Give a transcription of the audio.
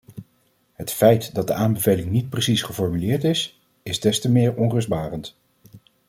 Het feit dat de aanbeveling niet precies geformuleerd is, is des te meer onrustbarend.